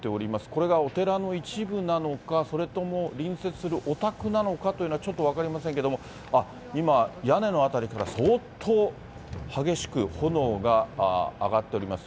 これがお寺の一部なのか、それとも隣接するお宅なのかというのはちょっと分かりませんけれども、今、屋根の辺りから相当激しく炎が上がっております。